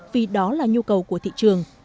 vì đó là nhu cầu của thị trường